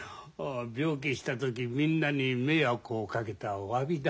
病気した時みんなに迷惑をかけたおわびだ。